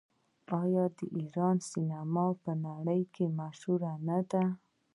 آیا د ایران سینما په نړۍ کې مشهوره نه ده؟